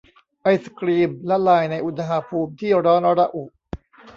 ไอศกรีมละลายในอุณหภูมิที่ร้อนระอุ